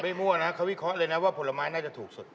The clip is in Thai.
ไม่มั่วนะข้้ววิเคราะห์เลยนะว่าผลไม้ได้ว่าถูกสุด